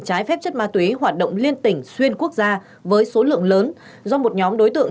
trái phép chất ma túy hoạt động liên tỉnh xuyên quốc gia với số lượng lớn do một nhóm đối tượng